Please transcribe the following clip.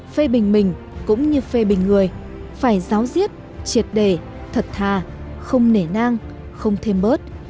phê bình mình cũng như phê bình người phải giáo diết triệt đề thật thà không nể nang không thêm bớt